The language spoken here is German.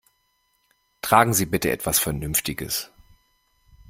Tragen Sie bitte etwas Vernünftiges!